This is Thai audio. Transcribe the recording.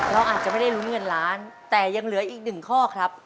เราอาจจะไม่ได้ลุ้นเงินล้านแต่ยังเหลืออีกหนึ่งข้อครับ